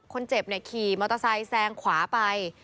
คนเจ็บขี่มอเตอร์ไซค์แซงขวาไป